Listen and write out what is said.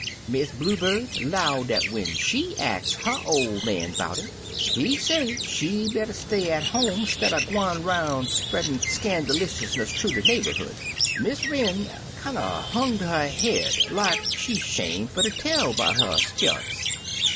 "Miss Blue Bird 'low dat when she ax her ol' man 'bout it, he say she better stay at home stidder gwine 'roun' spread in' scandaliousness thoo de neighborhood. Miss Wren kinder hunged her head like she 'shame fer ter tell 'bout her speunce.